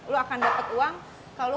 lo akan dapat uang kalau lo